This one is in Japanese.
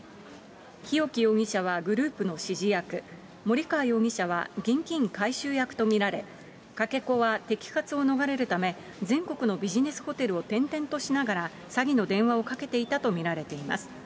日沖容疑者はグループの指示役、森川容疑者は現金回収役と見られ、かけ子は摘発を逃れるため、全国のビジネスホテルを転々としながら、詐欺の電話をかけていたと見られています。